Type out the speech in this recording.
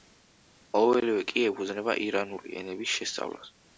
ყოველივე კი ეფუძნება ირანული ენების შესწავლას.